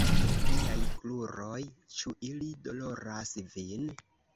Viaj kruroj? Ĉu ili doloras vin?